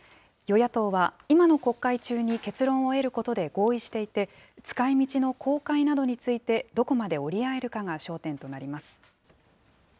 与野党は今の国会中に結論を得ることで合意していて、使いみちの公開などについてどこまで折り合えるかが焦点となります。